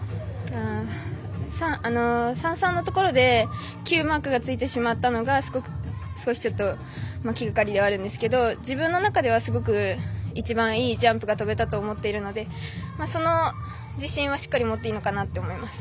３、３のところでｑマークがついてしまったのが少し気がかりではあるんですけど自分の中ではすごく一番いいジャンプが跳べたと思っているのでその自信はしっかり持っていいのかなと思っています。